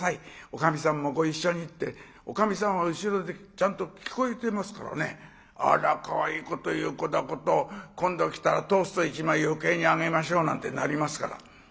おかみさんもご一緒にっておかみさんは後ろでちゃんと聞こえてますからねあらかわいいこと言う子だこと今度来たらトースト１枚余計にあげましょうなんてなりますから。